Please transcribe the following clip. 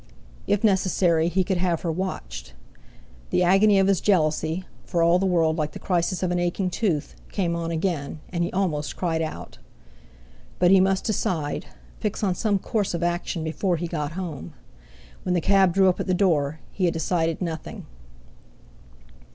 If necessary, he could have her watched. The agony of his jealousy (for all the world like the crisis of an aching tooth) came on again; and he almost cried out. But he must decide, fix on some course of action before he got home. When the cab drew up at the door, he had decided nothing.